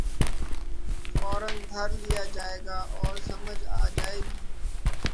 فورا دھر لیا جائے گا اور سمجھ آ جائے گی۔